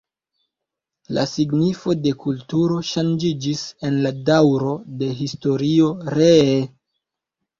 La signifo de kulturo ŝanĝiĝis en la daŭro de historio ree.